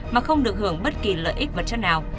mà không được hưởng bất kỳ lợi ích vật chất nào